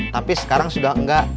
tapi sekarang sudah enggak